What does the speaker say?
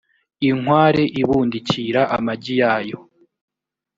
inkware ibundikira amagiyayo.